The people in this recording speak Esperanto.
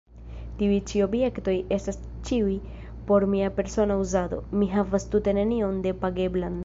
Tiuj ĉi objektoj estas ĉiuj por mia persona uzado; mi havas tute nenion depageblan.